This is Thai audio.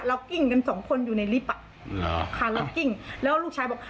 กิ้งกันสองคนอยู่ในลิฟต์อ่ะค่ะเรากิ้งแล้วลูกชายบอก